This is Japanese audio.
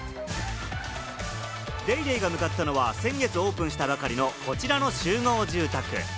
『ＤａｙＤａｙ．』が向かったのは先月オープンしたばかりのこちらの集合住宅。